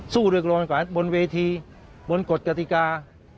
สู้เรียกรวมกว่านั้นบนเวทีบนกฎกติกา